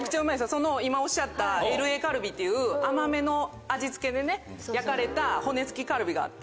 その今おっしゃったＬＡカルビっていう甘めの味付けで焼かれた骨付きカルビがあって。